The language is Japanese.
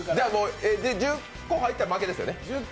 １０個入ったら負けですよね？